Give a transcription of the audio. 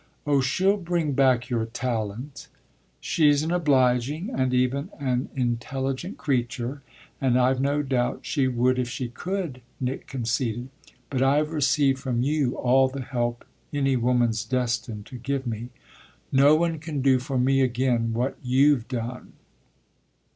Oh she'll bring back your talent!" "She's an obliging and even an intelligent creature, and I've no doubt she would if she could," Nick conceded. "But I've received from you all the help any woman's destined to give me. No one can do for me again what you've done."